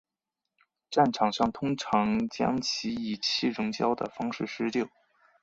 战场上通常将其以气溶胶的方式施放。